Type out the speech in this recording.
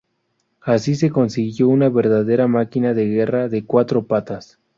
Así, se consiguió una verdadera 'máquina de guerra de cuatro patas'.